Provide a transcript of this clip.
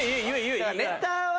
ネタは。